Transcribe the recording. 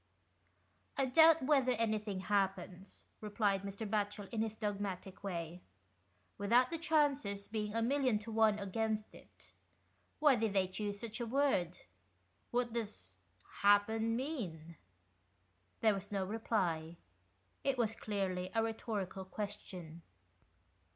"I doubt whether anything happens," replied Mr. Batchel in his dogmatic way, "without the chances being a million to one 67 &HOST TALES. against it. Why did they choose such a word? What does ' happen ' mean ?" There was no reply : it was clearly a rhetorical question.